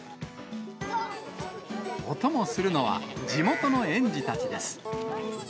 お供するのは、地元の園児たちです。